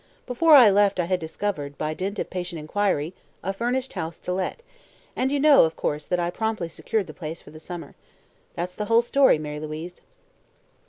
Before I left I had discovered, by dint of patient inquiry, a furnished house to let, and you know, of course, that I promptly secured the place for the summer. That's the whole story, Mary Louise."